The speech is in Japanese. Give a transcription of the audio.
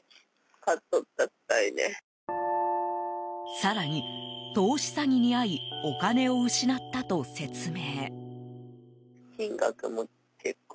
更に、投資詐欺に遭いお金を失ったと説明。